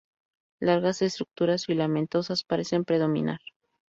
Largas estructuras filamentosas parecen predominar.